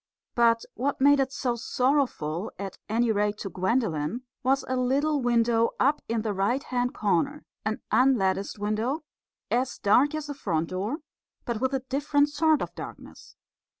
But what made it so sorrowful, at any rate to Gwendolen, was a little window up in the right hand corner an unlatticed window, as dark as the front door, but with a different sort of darkness.